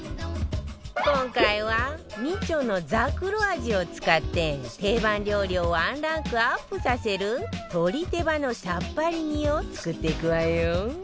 今回は美酢のざくろ味を使って定番料理をワンランクアップさせる鶏手羽のさっぱり煮を作っていくわよ